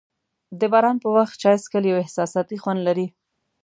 د باران په وخت چای څښل یو احساساتي خوند لري.